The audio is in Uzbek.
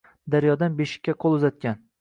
Daryodan beshikka qo‘l uzatgan